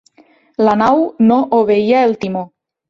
La nau no obeïa el timó.